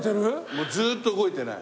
もうずーっと動いてない。